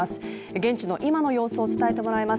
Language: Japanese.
現地の今の様子を伝えてもらいます。